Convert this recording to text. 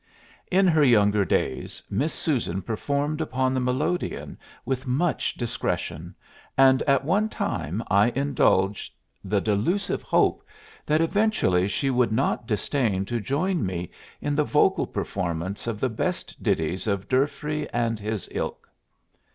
In her younger days Miss Susan performed upon the melodeon with much discretion, and at one time I indulged the delusive hope that eventually she would not disdain to join me in the vocal performance of the best ditties of D'Urfey and his ilk.